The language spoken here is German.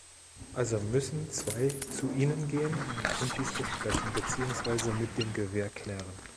Also müssen zwei zu ihnen gehen und dies besprechen beziehungsweise mit dem Gewehr klären.